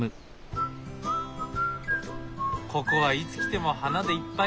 ここはいつ来ても花でいっぱい。